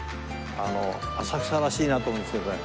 浅草らしいなと思うんですけどね